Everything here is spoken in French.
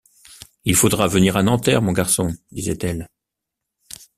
Il faudra venir à Nanterre, mon garçon, disait-elle.